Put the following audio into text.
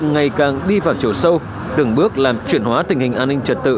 ngày càng đi vào chiều sâu từng bước làm chuyển hóa tình hình an ninh trật tự